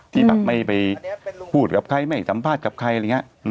ที่ไม่ไปพูดกับใครไม่ไปสัมภาษณ์กับใคร